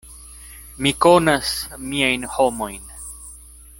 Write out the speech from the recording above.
Mi konas miajn homojn.